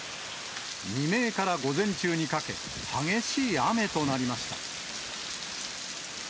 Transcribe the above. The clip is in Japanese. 未明から午前中にかけ、激しい雨となりました。